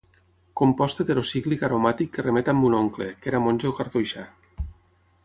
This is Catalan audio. Compost heterocíclic aromàtic que remet amb mon oncle, que era monjo cartoixà.